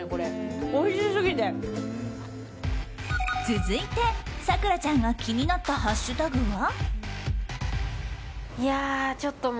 続いて、咲楽ちゃんが気になったハッシュタグは。